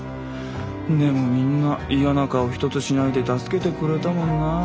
でもみんな嫌な顔一つしないで助けてくれたもんなぁ